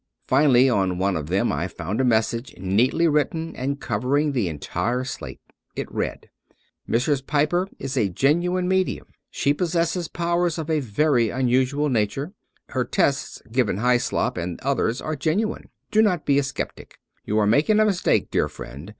Finally, on one of them 243 True Stories of Modern Magic I found a message, neatly written and covering the entire slate. It read: " Mrs. Piper is a genuine medium. She possesses powers of a very unusual nature. Her tests given Hyslop and others are genuine. Do not be a skeptic. You are making a mistake, dear friend.